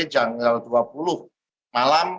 januari dua puluh malam